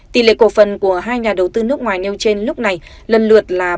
tỷ lệ cổ phần của hai nhà đầu tư nước ngoài nêu trên lúc này lần lượt là ba mươi hai sáu và ba mươi tám bảy